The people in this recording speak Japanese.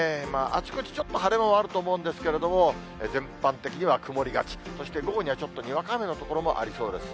あちこちちょっと、晴れ間はあると思うんですけれども、全般的には曇りがち、そして午後にはちょっとにわか雨の所もありそうです。